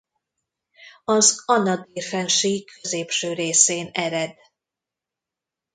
Az Anadir-fennsík középső részén ered.